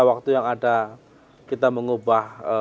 waktu yang ada kita mengubah